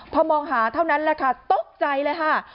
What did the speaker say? พอมองหาเท่านั้นแหละค่ะตกใจเลยค่ะ